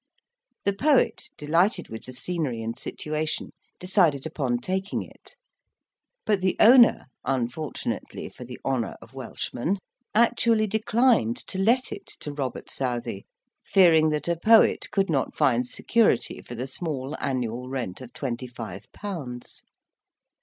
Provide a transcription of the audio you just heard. The poet, delighted with the scenery and situation, decided upon taking it; but the owner, unfortunately for the honour of Welshmen, actually declined to let it to Robert Southey, fearing that a poet could not find security for the small annual rent of twenty five pounds.